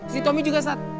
si tommy juga tat